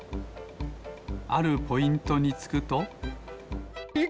あるポイントにつくとお！